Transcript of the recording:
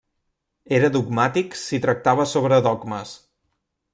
Era dogmàtic si tractava sobre dogmes.